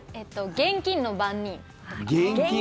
現金の番人。